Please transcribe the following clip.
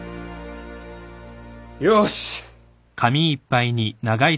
よし！